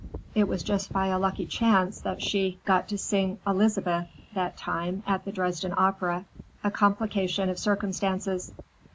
It was by just a lucky chance that she got to sing Elizabeth that time at the Dresden Opera, a complication of circumstances.